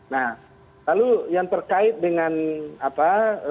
nah lalu yang terkait dengan apa